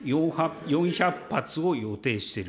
４００発を予定している。